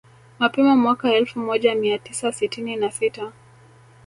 Mapema mwaka elfu moja mia tisa sitini na sita